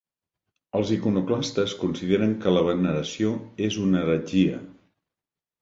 Els iconoclastes consideren que la veneració és una heretgia.